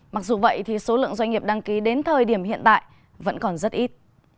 mặc dù vậy thì số lượng doanh nghiệp đăng ký đến thời điểm hiện tại vẫn còn rất ít